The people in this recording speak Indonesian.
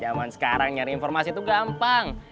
zaman sekarang nyari informasi itu gampang